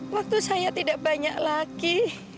waktu saya tidak banyak lagi